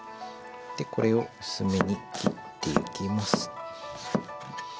これを薄めに切ってゆきます。